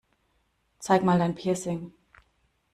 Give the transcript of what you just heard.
Zeig mal dein Piercing!